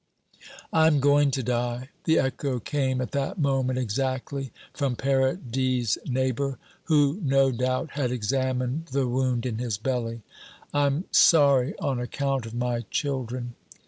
"I'm going to die." The echo came at that moment exactly from Paradis' neighbor, who no doubt had examined the wound in his belly. "I'm sorry on account of my children."